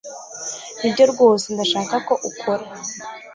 nibyo rwose ndashaka ko ukora